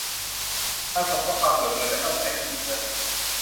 การส่งข้อความด่วนโดยไม่ต้องใช้อินเทอร์เน็ต